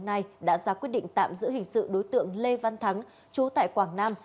đồng nai đã ra quyết định tạm giữ hình sự đối tượng lê văn thắng chú tại quảng nam